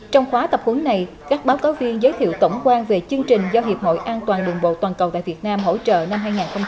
trong khóa tập huấn này các báo cáo viên giới thiệu tổng quan về chương trình do hiệp hội an toàn đường bộ toàn cầu tại việt nam hỗ trợ năm hai nghìn hai mươi